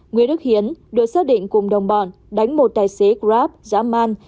nguyễn đức hiến được xác định cùng đồng bọn đánh một tài xế grab dã man